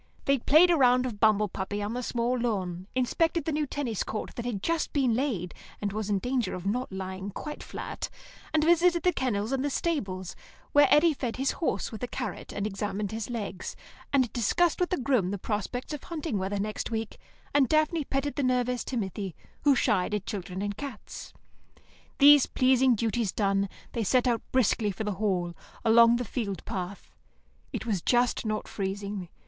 They played a round of bumble puppy on the small lawn, inspected the new tennis court that had just been laid, and was in danger of not lying quite flat, and visited the kennels and the stables, where Eddy fed his horse with a carrot and examined his legs, and discussed with the groom the prospects of hunting weather next week, and Daphne petted the nervous Timothy, who shied at children and cats. These pleasing duties done, they set out briskly for the Hall, along the field path. It was just not freezing.